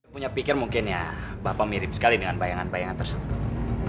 bapak mirip sekali dengan bayangan bayangan tersebut